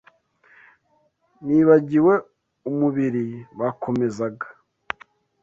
Nibagiwe umubiri bakomezaga